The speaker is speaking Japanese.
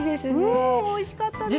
うんおいしかったです。